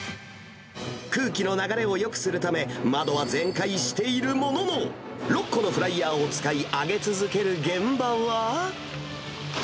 空気の流れをよくするため、窓は全開しているものの、６個のフライヤーを使い、はぁー！×××度！